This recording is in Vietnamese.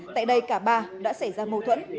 tại đây cả ba đã xảy ra mâu thuẫn